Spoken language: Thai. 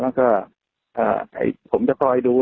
แฮปปี้เบิร์สเจทู